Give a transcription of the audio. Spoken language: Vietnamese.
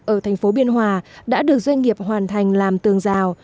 ở thành phố biên hòa đã được doanh nghiệp hoàn thành làm tường rào